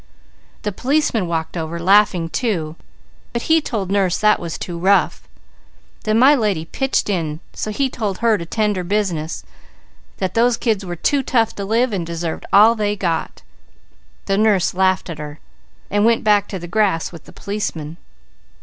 The policeman walked over laughing too, but he told nurse that was too rough. Then my lady pitched in, so he told her to tend to her business, that those kids were too tough to live, and deserved all they got. The nurse laughed at her, and went back to the grass with the policeman.